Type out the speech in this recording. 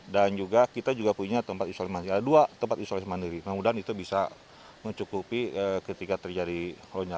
dan juga kita punya tempat isolasi mandiri ada dua tempat isolasi mandiri kemudian itu bisa mencukupi ketika terjadi kolonial